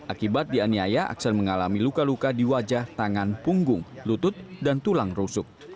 akibat dianiaya aksen mengalami luka luka di wajah tangan punggung lutut dan tulang rusuk